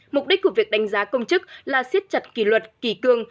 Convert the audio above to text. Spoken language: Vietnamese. mục đích của việc đánh giá công chức là siết chặt kỳ luật kỳ cương